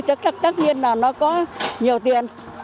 chắc chắn là nó có nhiều tiền